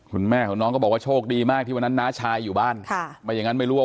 คุณแม่ของน้องก็บอกว่าโชคดีมากที่วันนั้นน้าชายอยู่บ้านค่ะไม่อย่างงั้นไม่รู้ว่า